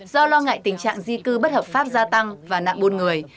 do lo ngại tình trạng di cư bất hợp pháp gia tăng và nạn buôn người